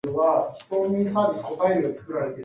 He is known for his works on Kantian philosophy.